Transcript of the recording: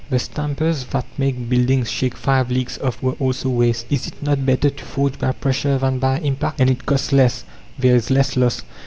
"The stampers that made buildings shake five leagues off were also waste. Is it not better to forge by pressure than by impact, and it costs less there is less loss.